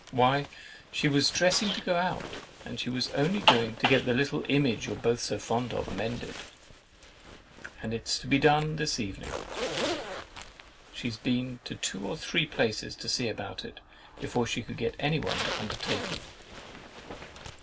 Why, she was dressing to go out, and she was only going to get the little image you're both so fond of mended; and it's to be done this evening. She has been to two or three places to see about it, before she could get anyone to undertake it."